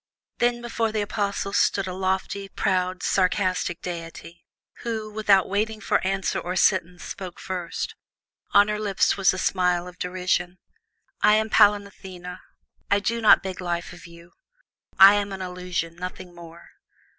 Then before the Apostles stood a lofty, proud, sarcastic divinity, who, without waiting for question or sentence, spoke first. On her lips was a smile of derision. "I am Pallas Athene. I do not beg life of you. I am an illusion, nothing more.